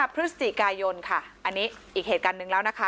พฤศจิกายนค่ะอันนี้อีกเหตุการณ์หนึ่งแล้วนะคะ